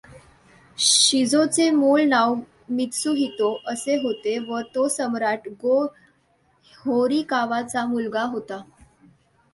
शिजोचे मूळ नाव मित्सुहितो असे होते व तो सम्राट गो होरिकावाचा मुलगा होता.